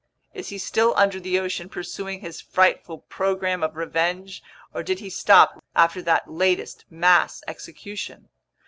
Is he still under the ocean pursuing his frightful program of revenge, or did he stop after that latest mass execution?